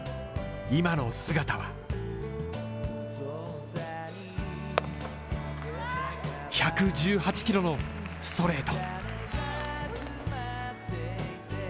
今の姿は１１８キロのストレート。